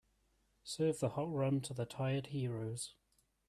Serve the hot rum to the tired heroes.